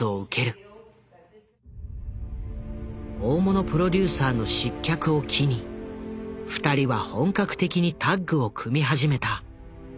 大物プロデューサーの失脚を機に２人は本格的にタッグを組み始めた。